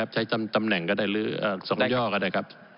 ใช้ตำแหน่งก็ได้หรือ๒ย่อก็ได้ครับ